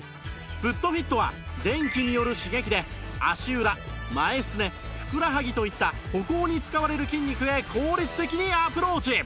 フットフィットは電気による刺激で足裏前すねふくらはぎといった歩行に使われる筋肉へ効率的にアプローチ！